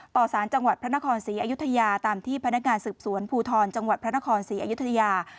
สารจังหวัดพระนครศรีอยุธยาตามที่พนักงานสืบสวนภูทรจังหวัดพระนครศรีอยุธยา